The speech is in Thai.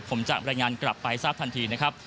ผมจะรายงานกลับไปทราบทันทีนะครับ